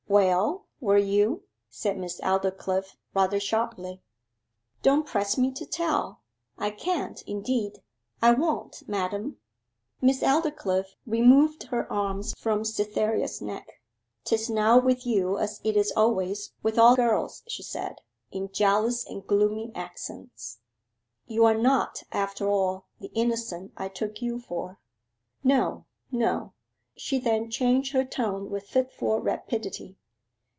'Well, were you?' said Miss Aldclyffe, rather sharply. 'Don't press me to tell I can't indeed, I won't, madam!' Miss Aldclyffe removed her arms from Cytherea's neck. ''Tis now with you as it is always with all girls,' she said, in jealous and gloomy accents. 'You are not, after all, the innocent I took you for. No, no.' She then changed her tone with fitful rapidity.